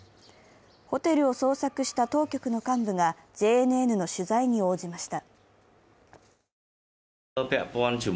ホテルを捜索した当局の幹部がＪＮＮの取材に応じました。